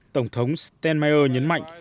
tổng thống steinmeier nhấn mạnh